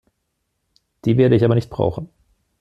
Die werde ich aber nicht brauchen.